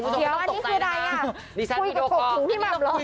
เดี๋ยวอันนี้คือใดเนี่ยคุยกับของพี่หม่ำหรอ